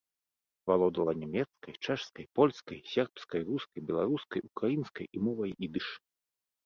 Валодала нямецкай, чэшскай, польскай, сербскай, рускай, беларускай, украінскай і мовай ідыш.